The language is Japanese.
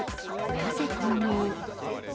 なぜ混入？